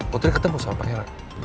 putri ketemu sama pangeran